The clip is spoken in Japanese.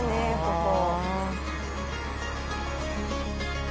ここ。